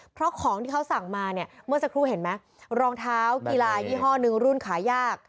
เพราะของที่เขาสั่งมาเนี่ยเมื่อสักครู่เห็นไหมรองเท้ากีฬายี่ห้อหนึ่งรุ่นขายาก